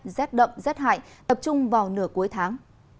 rét đậm rét hại tập trung vào nửa cuối tháng